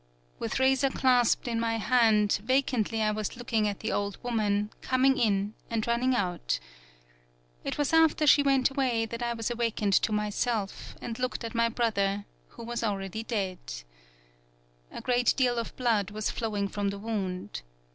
With razor clasped in my hand, vacantly I was looking at the old woman, coming in and running out. It was after she went away that I was awakened to myself, and looked at my brother, who was al 28 TAKASE BUNE ready dead. A great deal of blood was flowing from the wound.